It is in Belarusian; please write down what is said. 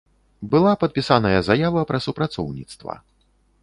Была падпісаная заява пра супрацоўніцтва.